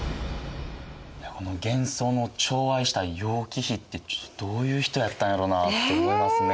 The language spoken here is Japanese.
玄宗のちょう愛した楊貴妃ってどういう人やったんやろなって思いますね。